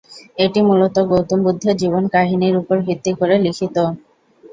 এটি মূলত গৌতম বুদ্ধের জীবন কাহিনীর ওপর ভিত্তি করে লিখিত।